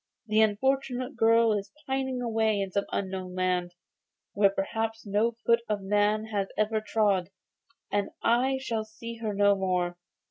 The unfortunate girl is pining away in some unknown land, where perhaps no foot of man has ever trod, and I shall see her no more.